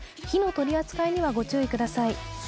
火の取り扱いにはご注意ください。